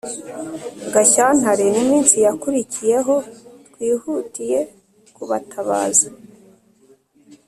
gashyantaren’iminsi yakurikiyeho, twihutiyekubatabaza